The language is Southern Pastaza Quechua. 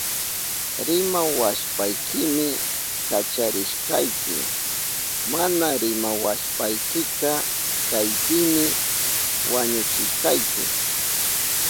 Rimawashpaykimi kacharishkayki. Mana rimawashpaykika kaypimi wañuchishkayki.